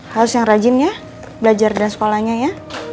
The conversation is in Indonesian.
harus yang rajin ya belajar dan sekolahnya ya